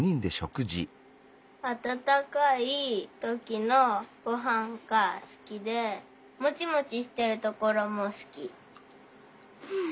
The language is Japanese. あたたかいときのご飯が好きでもちもちしてるところも好きふう。